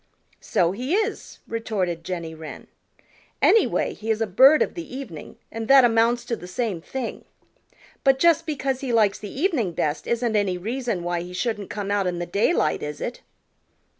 "So he is," retorted Jenny Wren. "Anyway, he is a bird of the evening, and that amounts to the same thing. But just because he likes the evening best isn't any reason why he shouldn't come out in the daylight, is it?"